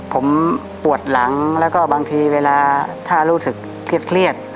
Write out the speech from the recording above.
ผมปวดหลังแล้วก็บางทีเวลาถ้ารู้สึกเครียด